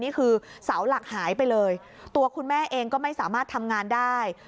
เสาหลักหายไปเลยตัวคุณแม่เองก็ไม่สามารถทำงานได้